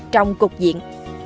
trong cuộc diện